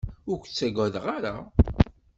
Ur k-ttagadeɣ ara.